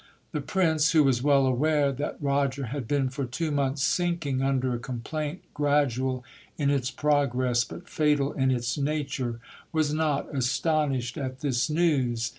The prince, who was well aware that Roger had been for two months sinking under a complaint gradual in its pro gress but fatal in its nature, was not astonished at this news.